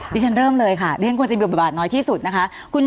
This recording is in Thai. ดิฉันเริ่มเลยค่ะเรื่องความจริงหวัดบาดน้อยที่สุดนะคะ